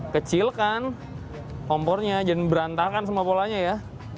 kecilkan kompornya jangan berantakan semua polanya ya